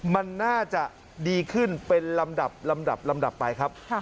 มันน่าจะดีขึ้นเป็นลำดับไปครับ